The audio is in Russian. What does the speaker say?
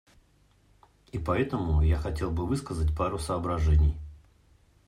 И поэтому я хотел бы высказать пару соображений.